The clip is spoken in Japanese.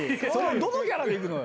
どのキャラでいくのよ。